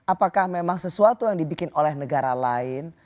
apakah memang sesuatu yang dibikin oleh negara lain